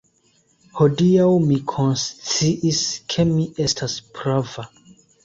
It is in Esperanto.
Hodiaŭ mi konsciis, ke mi estas prava!